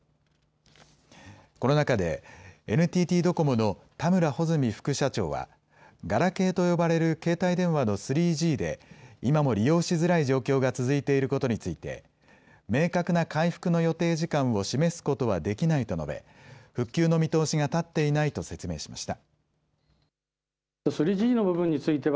この中でＮＴＴドコモの田村穂積副社長はガラケーと呼ばれる携帯電話の３Ｇで今も利用しづらい状況が続いていることについて明確な回復の予定時間を示すことはできないと述べ復旧の見通しが立っていないと説明しました。